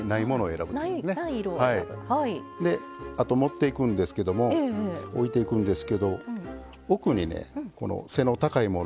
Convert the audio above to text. あと盛っていくんですけどもおいていくんですけど奥にねこの背の高いものを。